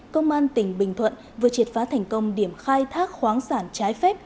công an tỉnh bình thuận vừa triệt phá thành công điểm khai thác khoáng sản trái phép